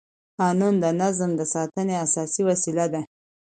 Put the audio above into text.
قانون د نظم د ساتنې اساسي وسیله ده.